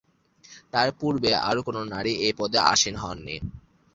তার পূর্বে আর কোন নারী এই পদে আসীন হন নি।